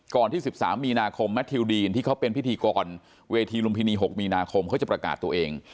ที่๑๓มีนาคมแมททิวดีนที่เขาเป็นพิธีกรเวทีลุมพินี๖มีนาคมเขาจะประกาศตัวเอง